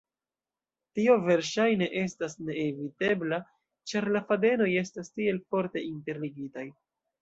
Tio verŝajne estas neevitebla, ĉar la fadenoj estas tiel forte interligitaj.